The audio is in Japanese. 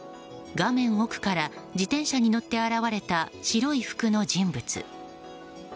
画面奥から自転車に乗って現れた白い服の人物。